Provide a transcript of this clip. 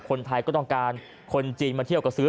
คนไทยก็ต้องการคนจีนมาเที่ยวก็ซื้อ